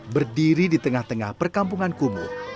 berdiri di tengah tengah perkampungan kumuh